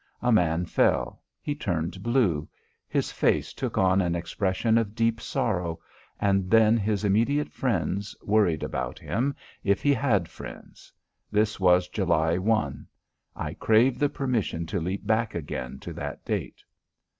A man fell; he turned blue; his face took on an expression of deep sorrow; and then his immediate friends worried about him, if he had friends. This was July 1. I crave the permission to leap back again to that date.